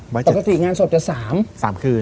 ปกติงานศพจะ๓คืน